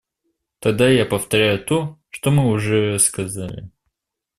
Тогда я повторяю то, что мы уже сказали.